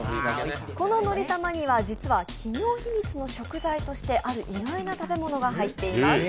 こののりたまには実は企業秘密の食材としてある意外な食べ物が入っています。